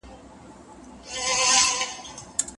ابن عطاء رحمه الله فرمايي.